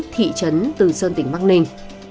thị trấn từ sơn tỉnh bắc ninh